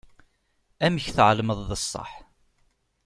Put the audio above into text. Amek tɛelmeḍ d ṣṣeḥ?